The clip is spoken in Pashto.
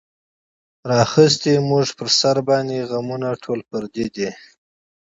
راغیستې مونږ پۀ سر باندې غمونه ټول پردي دي